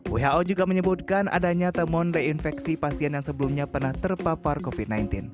who juga menyebutkan adanya temuan reinfeksi pasien yang sebelumnya pernah terpapar covid sembilan belas